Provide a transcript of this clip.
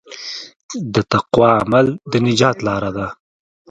د تقوی عمل د نجات لاره ده.